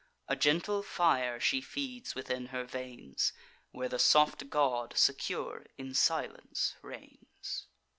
A gentle fire she feeds within her veins, Where the soft god secure in silence reigns.